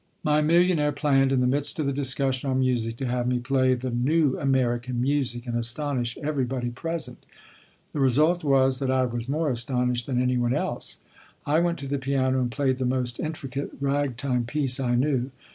My millionaire planned, in the midst of the discussion on music, to have me play the "new American music" and astonish everybody present. The result was that I was more astonished than anyone else. I went to the piano and played the most intricate ragtime piece I knew.